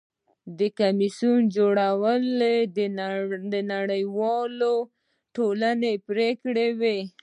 د کمیسیون جوړول د نړیوالې ټولنې پریکړه وه.